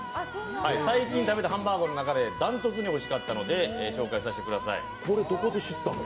最近食べたハンバーガーの中で断トツにおいしかったので紹介させてください。